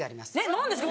何ですか？